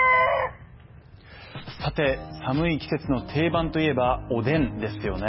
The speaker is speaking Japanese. さて、寒い季節の定番といえば、おでんですよね。